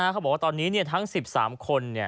เขาบอกว่าตอนนี้ทั้ง๑๓คน